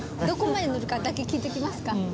どこまで乗るかだけ聞いときますか。